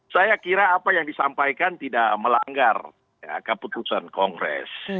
saya kira apa yang disampaikan tidak melanggar keputusan kongres